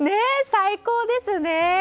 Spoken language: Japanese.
最高ですね。